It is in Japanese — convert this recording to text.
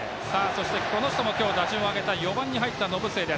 この人も今日打順を上げた４番に入った延末。